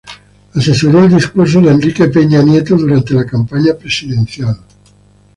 Asesoró el discurso de Enrique Peña Nieto durante la campaña presidencial.